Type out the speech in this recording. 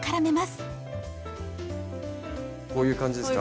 こういう感じですか？